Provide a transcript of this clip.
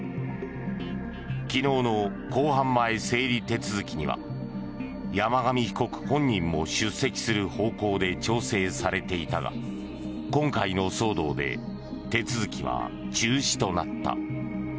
昨日の公判前整理手続きには山上被告本人も出席する方向で調整されていたが今回の騒動で手続きは中止となった。